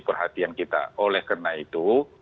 perhatian kita oleh karena itu